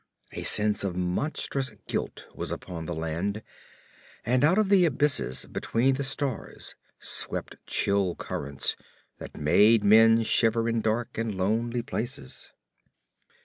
A sense of monstrous guilt was upon the land, and out of the abysses between the stars swept chill currents that made men shiver in dark and lonely places.